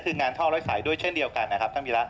คืองานท่อร้อยสายด้วยเช่นเดียวกันนะครับท่านวีระ